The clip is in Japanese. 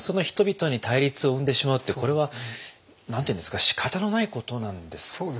人々に対立を生んでしまうってこれは何て言うんですかしかたのないことなんですか？